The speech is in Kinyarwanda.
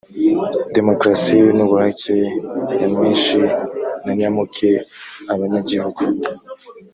demokarasi n ubuhake nyamwinshi na nyamuke abanyagihugu